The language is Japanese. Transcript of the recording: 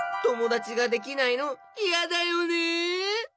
ともだちができないのいやだよね！